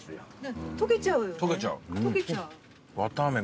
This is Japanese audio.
溶けちゃうよね。